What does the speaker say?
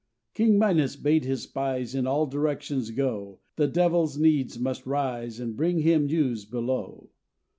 "King Minos bade his spies In all directions go; The devils needs must rise, And bring him news below.